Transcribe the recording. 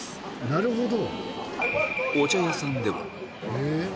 なるほど！